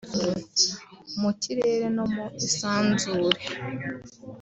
mu kirere no mu isanzure